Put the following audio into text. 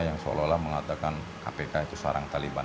yang seolah olah mengatakan kpk itu sarang taliban